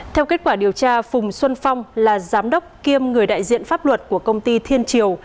theo kết quả điều tra phùng xuân phong là giám đốc kiêm người đại diện pháp luật của công ty thiên triều